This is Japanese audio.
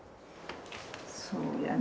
そうやね。